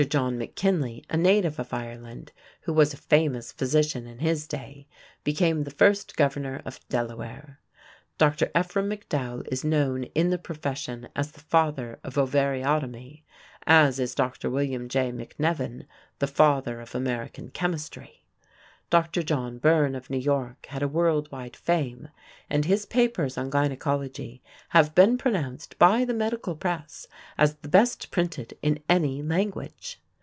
John McKinley, a native of Ireland, who was a famous physician in his day, became the first governor of Delaware. Dr. Ephraim McDowell is known in the profession as the "Father of Ovariotomy", as is Dr. William J. McNevin the "Father of American Chemistry". Dr. John Byrne of New York had a world wide fame, and his papers on gynecology have been pronounced by the medical press as "the best printed in any language".